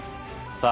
さあ